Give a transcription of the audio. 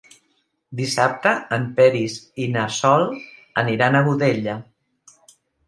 Dissabte en Peris i na Sol aniran a Godella.